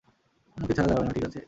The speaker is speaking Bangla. আমাকে ছাড়া যাবে না, ঠিক আছে?